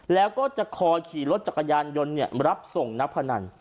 แล้วก็จะคอยขี่รถจักรยานยนต์รับส่งนักพนัน